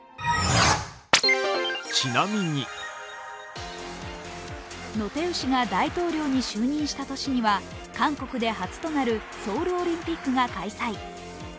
ちなみにノ・テウ氏が大統領に就任した年には韓国で初となるソウルオリンピックが開催。